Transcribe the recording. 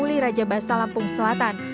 dan pilih raja basah lampung selatan